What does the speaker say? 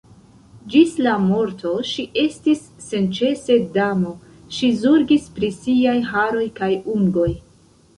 Ĝis la morto ŝi estis senĉese damo, ŝi zorgis pri siaj haroj kaj ungoj.